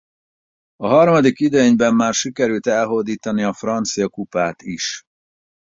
A harmadik idényben már sikerült elhódítani a francia kupát is.